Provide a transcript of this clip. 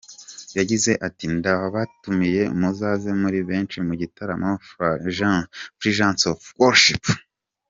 Yagize ati ‘‘Ndabatumiye muzaze muri benshi mu gitaramo Fragrance of Worship.